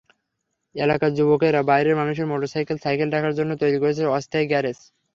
এলাকার যুবকেরা বাইরের মানুষের মোটরসাইকেল, সাইকেল রাখার জন্য তৈরি করেছেন অস্থায়ী গ্যারেজ।